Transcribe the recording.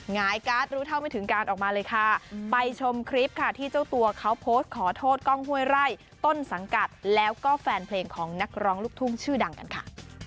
หงายการ์ดรู้เท่าไม่ถึงการออกมาเลยค่ะไปชมคลิปค่ะที่เจ้าตัวเขาโพสต์ขอโทษกล้องห้วยไร่ต้นสังกัดแล้วก็แฟนเพลงของนักร้องลูกทุ่งชื่อดังกันค่ะ